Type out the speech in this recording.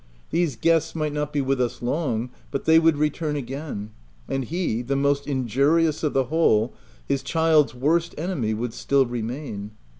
These guests might not be with us long, but they would return again ; and he, the most injurious of the whole, his child's worst enemy, w T ould still remain.